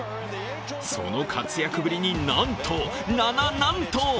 その活躍ぶりになんと、な、な、なんと！